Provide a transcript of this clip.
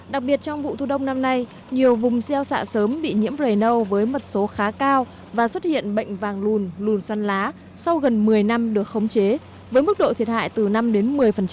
đặc biệt trong vụ thu đông năm nay nhiều vùng xeo xạ sớm bị nhiễm rầy nâu với mật số khá cao và xuất hiện bệnh vàng lùn lùn xoăn lá sau gần một mươi năm được khống chế với mức độ thiệt hại từ năm đến một mươi